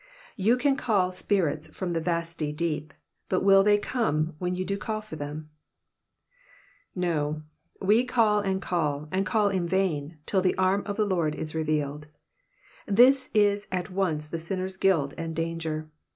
" You can call spirits from the vaflty deep. But will they come when you do call for them ?" No, we can and call, and call in vain, till the arm of the Lord is revealed. This is at once the sinner's guilt and danger.